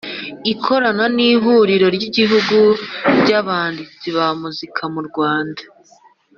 ikorana n’ihuriro ry’igihugu ry’abanditsi ba muzika mu rwanda